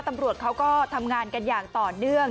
ตำรวจเขาก็ทำงานกันอย่างต่อเนื่อง